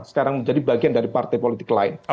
sekarang menjadi bagian dari partai politik lain